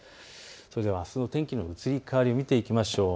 それではあすの天気の移り変わりを見ていきましょう。